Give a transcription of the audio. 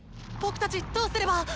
僕たちどうすれば？